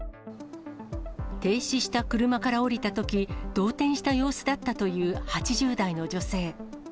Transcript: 停止した車から降りたとき、動転した様子だったという８０代の女性。